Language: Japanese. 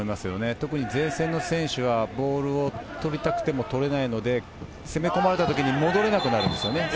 特に前線の選手はボールを取りたくても取れないので、攻め込まれた時に戻れなくなります。